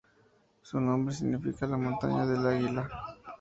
Su nombre significa "la montaña del águila".